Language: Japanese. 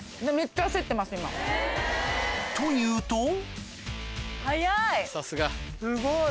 と言うとすごい。